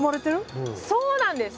そうなんです！